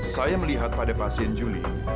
saya melihat pada pasien juli